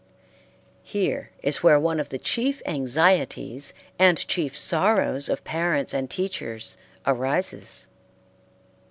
Here is where one of the chief anxieties and chief sorrows of parents and teachers arises.